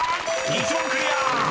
１問クリア！］